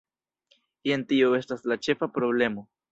Jen tio estas la ĉefa problemo".